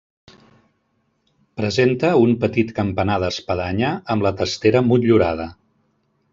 Presenta un petit campanar d'espadanya, amb la testera motllurada.